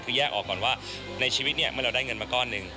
คือแยกออกก่อนว่าในชีวิตเนี่ยเมื่อเราได้เงินมาก้อนหนึ่ง